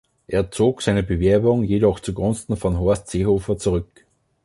Er zog seine Bewerbung jedoch zugunsten von Horst Seehofer zurück.